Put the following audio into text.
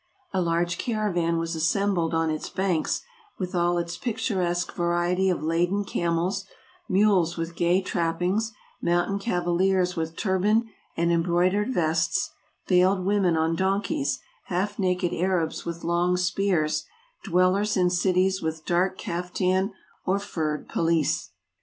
A large caravan was assembled on its banks, with all its picturesque variety of laden camels, mules with gay trap pings, mountain cavaliers with turban and embroidered vests, veiled women on donkeys, half naked Arabs with long spears, dwellers in cities with dark kaftan or furred pelisse.